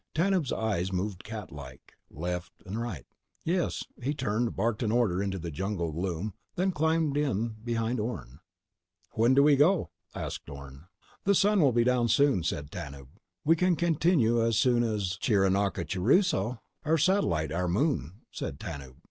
Tanub's eyes moved catlike: right, left. "Yes." He turned, barked an order into the jungle gloom, then climbed in behind Orne. "When do we go?" asked Orne. "The great sun will be down soon," said Tanub. "We can continue as soon as Chiranachuruso rises." "Chiranachuruso?" "Our satellite ... our moon," said Tanub.